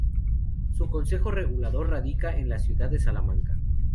Su Consejo Regulador radica en la ciudad de Salamanca.